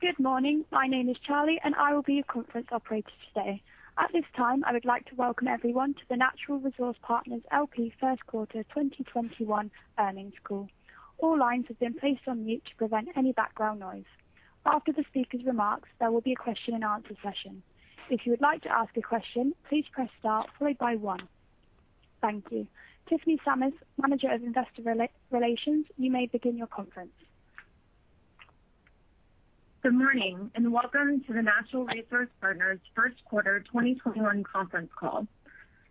Good morning. My name is Charlie, and I will be your conference operator today. At this time, I would like to welcome everyone to the Natural Resource Partners L.P. First Quarter 2021 Earnings Call. All lines have been placed on mute to prevent any background noise. After the speaker's remarks, there will be a question and answer session. If you would like to ask a question, please press star followed by one. Thank you. Tiffany Sammis, Manager of Investor Relations, you may begin your conference. Good morning, and welcome to the Natural Resource Partners First Quarter 2021 conference call.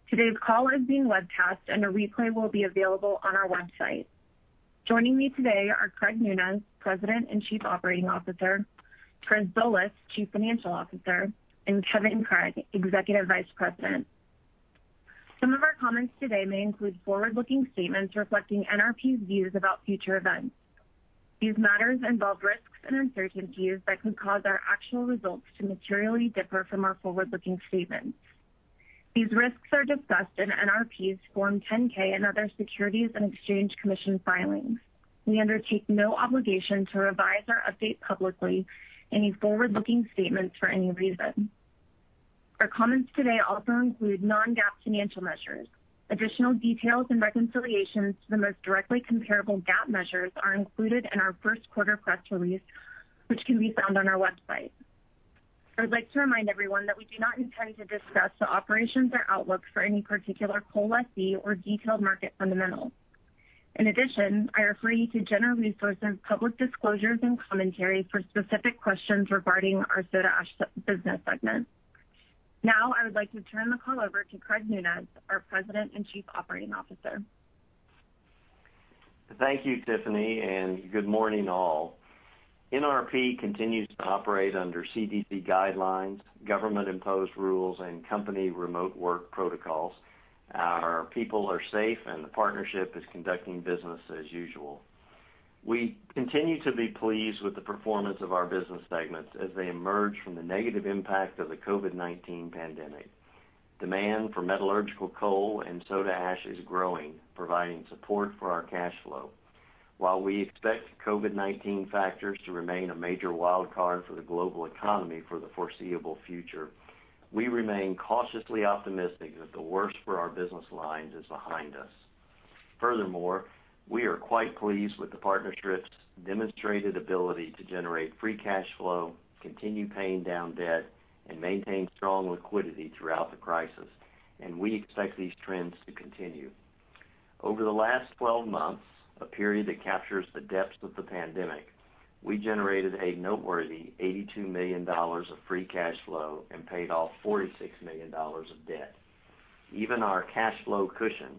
Today's call is being webcast and a replay will be available on our website. Joining me today are Craig Nunez, President and Chief Operating Officer; Chris Zolas, Chief Financial Officer; and Kevin Craig, Executive Vice President. Some of our comments today may include forward-looking statements reflecting NRP's views about future events. These matters involve risks and uncertainties that could cause our actual results to materially differ from our forward-looking statements. These risks are discussed in NRP's Form 10-K and other Securities and Exchange Commission filings. We undertake no obligation to revise or update publicly any forward-looking statements for any reason. Our comments today also include non-GAAP financial measures. Additional details and reconciliations to the most directly comparable GAAP measures are included in our first quarter press release, which can be found on our website. I would like to remind everyone that we do not intend to discuss the operations or outlooks for any particular coal lessee or detailed market fundamentals. In addition, I refer you to general resources, public disclosures and commentaries for specific questions regarding our soda ash business segment. Now, I would like to turn the call over to Craig Nunez, our President and Chief Operating Officer. Thank you, Tiffany, and good morning, all. NRP continues to operate under CDC guidelines, government-imposed rules and company remote work protocols. Our people are safe, and the partnership is conducting business as usual. We continue to be pleased with the performance of our business segments as they emerge from the negative impact of the COVID-19 pandemic. Demand for metallurgical coal and soda ash is growing, providing support for our cash flow. While we expect COVID-19 factors to remain a major wildcard for the global economy for the foreseeable future, we remain cautiously optimistic that the worst for our business lines is behind us. Furthermore, we are quite pleased with the partnership's demonstrated ability to generate free cash flow, continue paying down debt, and maintain strong liquidity throughout the crisis, and we expect these trends to continue. Over the last 12 months, a period that captures the depths of the pandemic, we generated a noteworthy $82 million of free cash flow and paid off $46 million of debt. Even our cash flow cushion,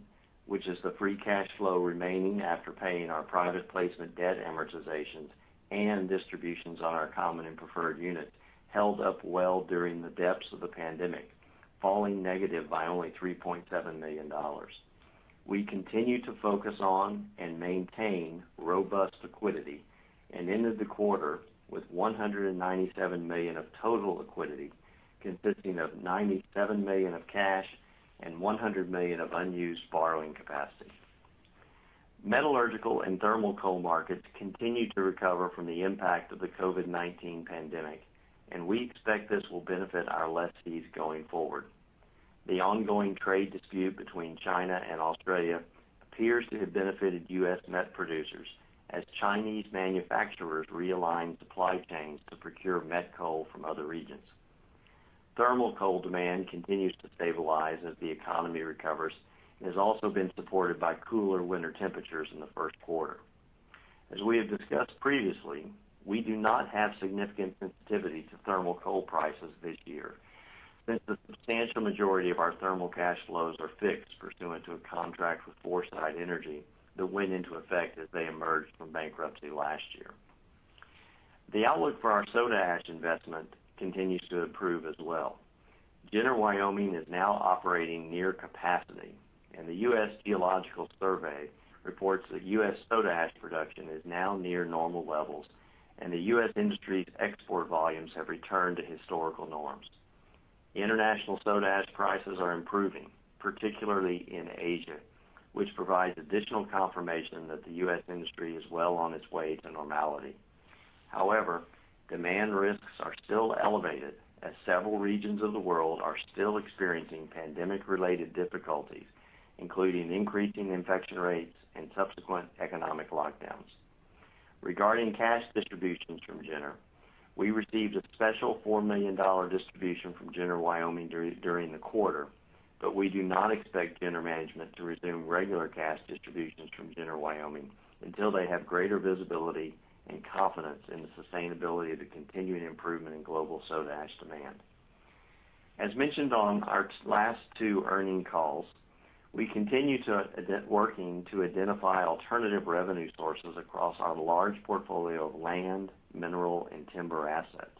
which is the free cash flow remaining after paying our private placement debt amortization and distributions on our common and preferred units, held up well during the depths of the pandemic, falling negative by only $3.7 million. We continue to focus on and maintain robust liquidity and ended the quarter with $197 million of total liquidity, consisting of $97 million of cash and $100 million of unused borrowing capacity. Metallurgical and thermal coal markets continue to recover from the impact of the COVID-19 pandemic, we expect this will benefit our lessees going forward. The ongoing trade dispute between China and Australia appears to have benefited U.S. met producers as Chinese manufacturers realign supply chains to procure met coal from other regions. Thermal coal demand continues to stabilize as the economy recovers and has also been supported by cooler winter temperatures in the first quarter. As we have discussed previously, we do not have significant sensitivity to thermal coal prices this year since the substantial majority of our thermal cash flows are fixed pursuant to a contract with Foresight Energy that went into effect as they emerged from bankruptcy last year. The outlook for our soda ash investment continues to improve as well. Ciner Wyoming is now operating near capacity, and the U.S. Geological Survey reports that U.S. soda ash production is now near normal levels and the U.S. industry's export volumes have returned to historical norms. International soda ash prices are improving, particularly in Asia, which provides additional confirmation that the U.S. industry is well on its way to normality. However, demand risks are still elevated as several regions of the world are still experiencing pandemic-related difficulties, including increasing infection rates and subsequent economic lockdowns. Regarding cash distributions from Ciner, we received a special $4 million distribution from Ciner Wyoming during the quarter, but we do not expect Ciner management to resume regular cash distributions from Ciner Wyoming until they have greater visibility and confidence in the sustainability of the continuing improvement in global soda ash demand. As mentioned on our last two earnings calls, we continue to working to identify alternative revenue sources across our large portfolio of land, mineral and timber assets.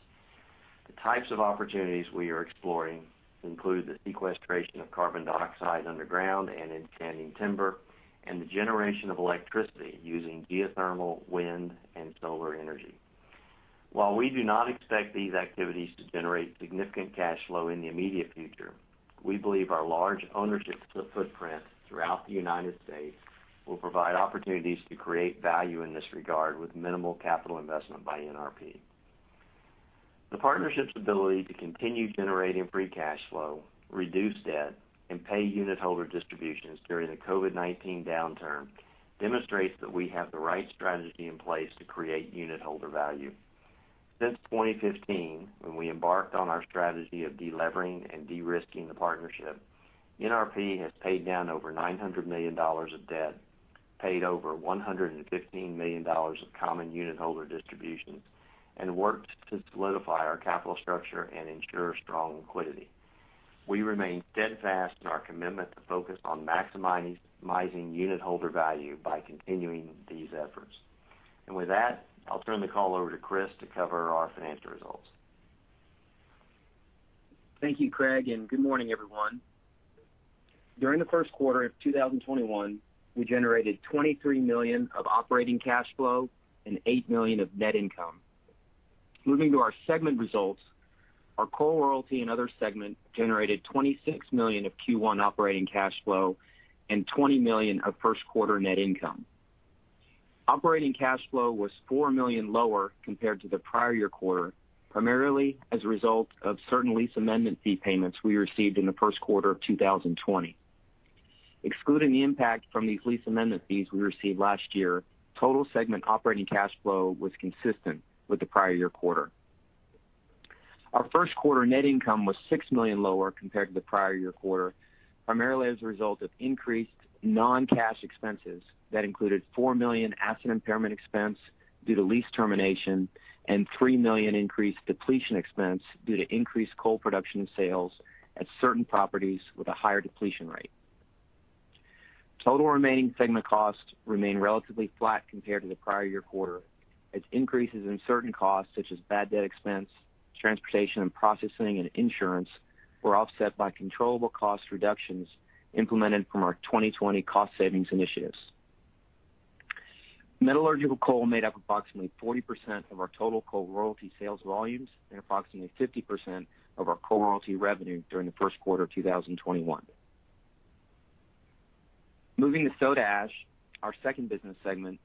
The types of opportunities we are exploring include the sequestration of carbon dioxide underground and in standing timber and the generation of electricity using geothermal, wind and solar energy. While we do not expect these activities to generate significant cash flow in the immediate future. We believe our large ownership footprint throughout the United States will provide opportunities to create value in this regard with minimal capital investment by NRP. The partnership's ability to continue generating free cash flow, reduce debt, and pay unitholder distributions during the COVID-19 downturn demonstrates that we have the right strategy in place to create unitholder value. Since 2015, when we embarked on our strategy of de-levering and de-risking the partnership, NRP has paid down over $900 million of debt, paid over $115 million of common unitholder distributions, and worked to solidify our capital structure and ensure strong liquidity. We remain steadfast in our commitment to focus on maximizing unitholder value by continuing these efforts. With that, I'll turn the call over to Chris to cover our financial results. Thank you, Craig, and good morning, everyone. During the first quarter of 2021, we generated $23 million of operating cash flow and $8 million of net income. Moving to our segment results, our coal royalty and other segment generated $26 million of Q1 operating cash flow and $20 million of first quarter net income. Operating cash flow was $4 million lower compared to the prior year quarter, primarily as a result of certain lease amendment fee payments we received in the first quarter of 2020. Excluding the impact from these lease amendment fees we received last year, total segment operating cash flow was consistent with the prior year quarter. Our first quarter net income was $6 million lower compared to the prior year quarter, primarily as a result of increased non-cash expenses that included $4 million asset impairment expense due to lease termination and $3 million increased depletion expense due to increased coal production sales at certain properties with a higher depletion rate. Total remaining segment costs remain relatively flat compared to the prior year quarter as increases in certain costs such as bad debt expense, transportation and processing, and insurance were offset by controllable cost reductions implemented from our 2020 cost savings initiatives. Metallurgical coal made up approximately 40% of our total coal royalty sales volumes and approximately 50% of our coal royalty revenue during the first quarter of 2021. Moving to soda ash, our second business segment.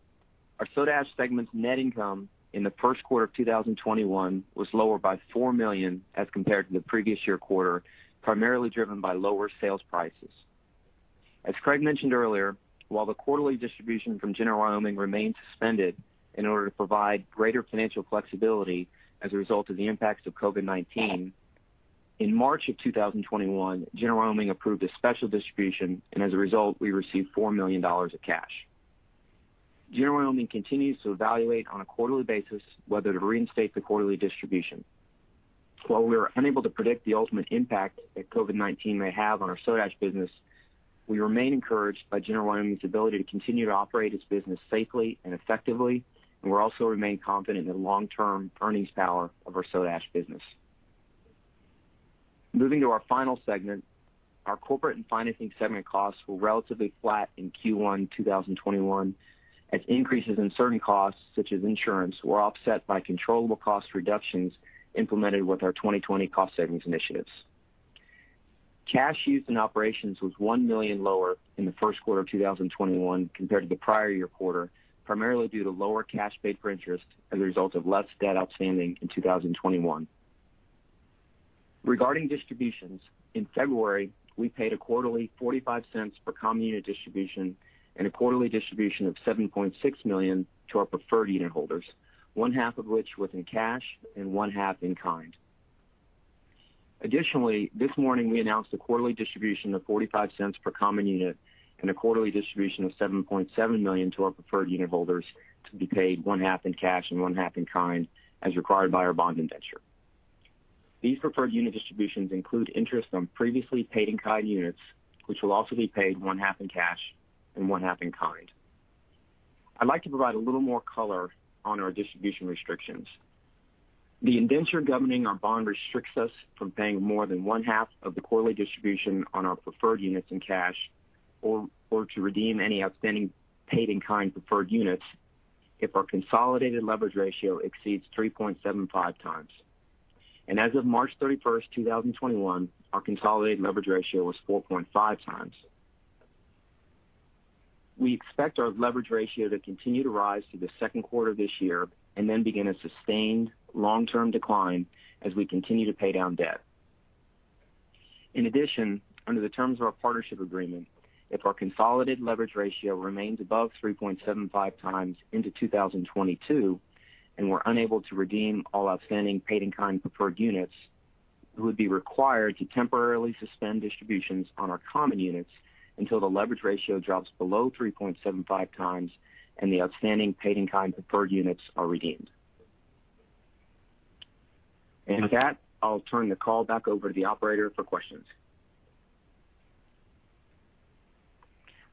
Our soda ash segment's net income in the first quarter of 2021 was lower by $4 million as compared to the previous year quarter, primarily driven by lower sales prices. As Craig mentioned earlier, while the quarterly distribution from Ciner Wyoming remains suspended in order to provide greater financial flexibility as a result of the impacts of COVID-19, in March of 2021, Ciner Wyoming approved a special distribution, and as a result, we received $4 million of cash. Ciner Wyoming continues to evaluate on a quarterly basis whether to reinstate the quarterly distribution. While we are unable to predict the ultimate impact that COVID-19 may have on our soda ash business, we remain encouraged by Ciner Wyoming's ability to continue to operate its business safely and effectively, and we also remain confident in the long-term earnings power of our soda ash business. Moving to our final segment, our corporate and financing segment costs were relatively flat in Q1 2021 as increases in certain costs, such as insurance, were offset by controllable cost reductions implemented with our 2020 cost savings initiatives. Cash used in operations was $1 million lower in the first quarter of 2021 compared to the prior year quarter, primarily due to lower cash paid for interest as a result of less debt outstanding in 2021. Regarding distributions, in February, we paid a quarterly $0.45 per common unit distribution and a quarterly distribution of $7.6 million to our preferred unitholders, one half of which was in cash and one half in kind. Additionally, this morning, we announced a quarterly distribution of $0.45 per common unit and a quarterly distribution of $7.7 million to our preferred unitholders to be paid one half in cash and one half in kind as required by our bond indenture. These preferred unit distributions include interest on previously payment in kind units, which will also be paid one half in cash and one half in kind. I'd like to provide a little more color on our distribution restrictions. The indenture governing our bond restricts us from paying more than one half of the quarterly distribution on our preferred units in cash or to redeem any outstanding payment in kind preferred units if our consolidated leverage ratio exceeds 3.75x. As of March 31st, 2021, our consolidated leverage ratio was 4.5x. We expect our leverage ratio to continue to rise through the second quarter of this year then begin a sustained long-term decline as we continue to pay down debt. In addition, under the terms of our partnership agreement, if our consolidated leverage ratio remains above 3.75x into 2022 and we're unable to redeem all outstanding payment in kind preferred units, we would be required to temporarily suspend distributions on our common units until the leverage ratio drops below 3.75x and the outstanding payment in kind preferred units are redeemed. With that, I'll turn the call back over to the operator for questions.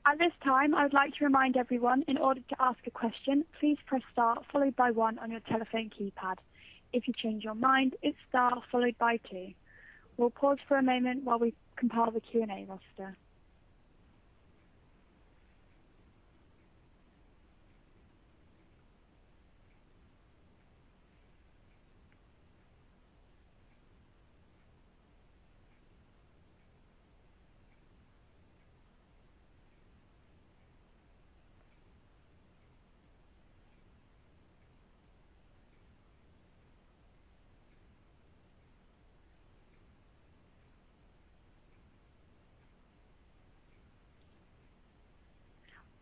At this time, I would like to remind everyone, in order to ask a question, please press star followed by one on your telephone keypad. If you change your mind, it's star followed by two. We'll pause for a moment while we compile the Q&A roster.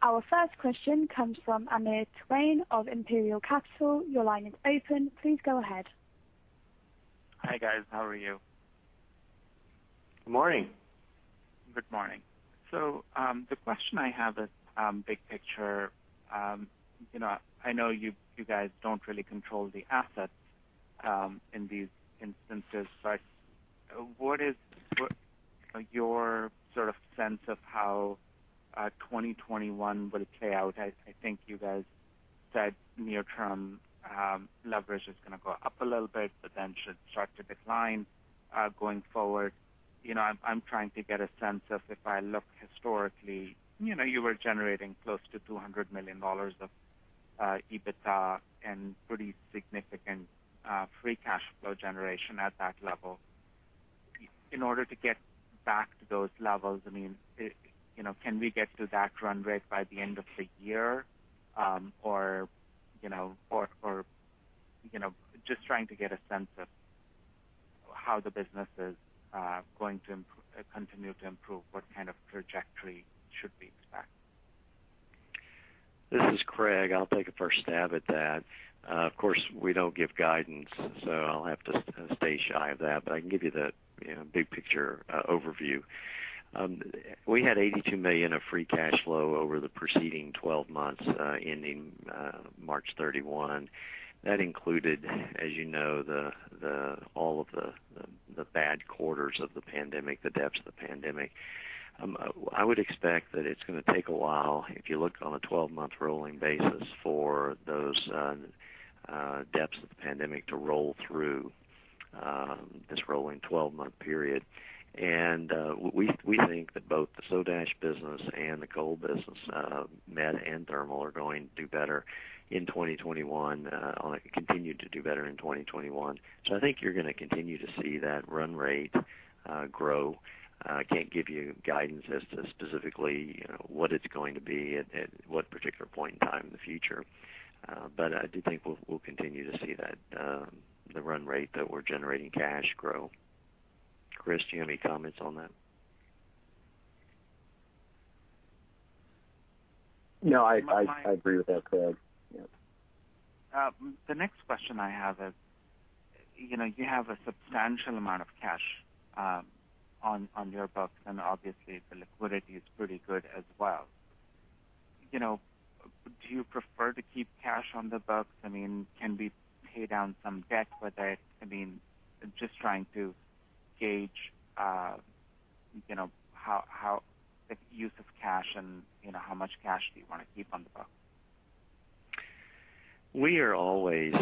Our first question comes from Amir Twain of Imperial Capital. Your line is open. Please go ahead. Hi, guys. How are you? Good morning. Good morning. The question I have is big picture. I know you guys don't really control the assets in these instances, but what is your sense of how 2021 will play out? I think you guys said near-term leverage is going to go up a little bit, but then should start to decline going forward. I'm trying to get a sense of if I look historically, you were generating close to $200 million of EBITDA and pretty significant free cash flow generation at that level. In order to get back to those levels, can we get to that run rate by the end of the year? Just trying to get a sense of how the business is going to continue to improve. What kind of trajectory should we expect? This is Craig. I'll take a first stab at that. Of course, we don't give guidance, so I'll have to stay shy of that, but I can give you the big picture overview. We had $82 million of free cash flow over the preceding 12 months ending March 31. That included, as you know, all of the bad quarters of the pandemic, the depths of the pandemic. I would expect that it's going to take a while, if you look on a 12-month rolling basis, for those depths of the pandemic to roll through this rolling 12-month period. We think that both the soda ash business and the coal business, met and thermal, are going to do better in 2021, continue to do better in 2021. I think you're going to continue to see that run rate grow. I can't give you guidance as to specifically what it's going to be at what particular point in time in the future. I do think we'll continue to see that run rate that we're generating cash grow. Chris, do you have any comments on that? No, I agree with that, Craig. Yeah. The next question I have is, you have a substantial amount of cash on your books, and obviously the liquidity is pretty good as well. Do you prefer to keep cash on the books? Can we pay down some debt with it? Just trying to gauge the use of cash and how much cash do you want to keep on the books? We are always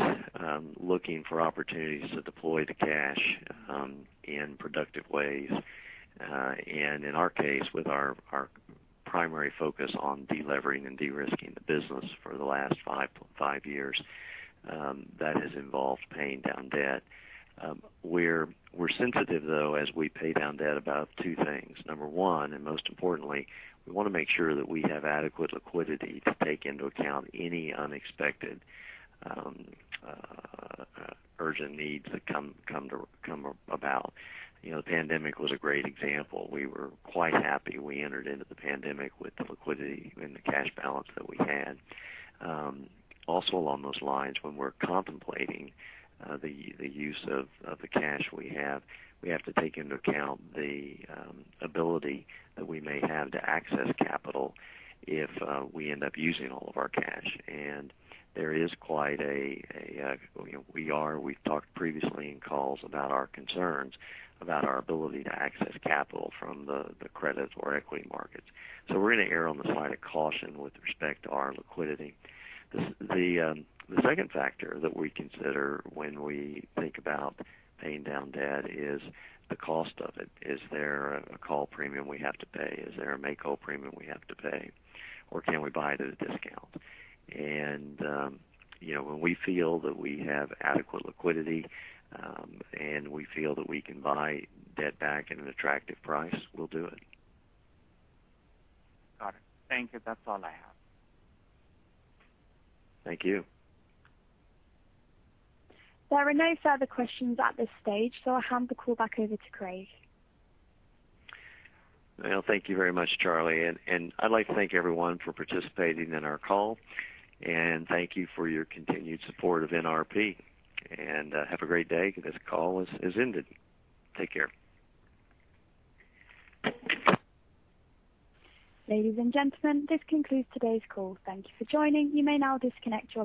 looking for opportunities to deploy the cash in productive ways. In our case, with our primary focus on delevering and de-risking the business for the last five years, that has involved paying down debt. We're sensitive, though, as we pay down debt about two things. Number one, and most importantly, we want to make sure that we have adequate liquidity to take into account any unexpected urgent needs that come about. The pandemic was a great example. We were quite happy we entered into the pandemic with the liquidity and the cash balance that we had. Also along those lines, when we're contemplating the use of the cash we have, we have to take into account the ability that we may have to access capital if we end up using all of our cash. We've talked previously in calls about our concerns about our ability to access capital from the credits or equity markets. We're going to err on the side of caution with respect to our liquidity. The second factor that we consider when we think about paying down debt is the cost of it. Is there a call premium we have to pay? Is there a make-whole premium we have to pay? Can we buy it at a discount? When we feel that we have adequate liquidity, and we feel that we can buy debt back at an attractive price, we'll do it. Got it. Thank you. That's all I have. Thank you. There are no further questions at this stage, so I'll hand the call back over to Craig. Well, thank you very much, Charlie. I'd like to thank everyone for participating in our call, and thank you for your continued support of NRP. Have a great day. This call has ended. Take care. Ladies and gentlemen, this concludes today's call. Thank you for joining. You may now disconnect.